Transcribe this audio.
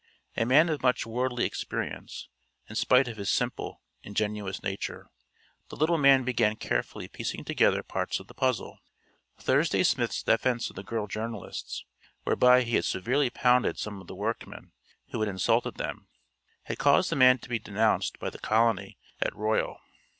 A man of much worldly experience, in spite of his simple, ingenuous nature, the little man began carefully piecing together parts of the puzzle. Thursday Smith's defense of the girl journalists, whereby he had severely pounded some of the workmen who had insulted them, had caused the man to be denounced by the colony at Royal.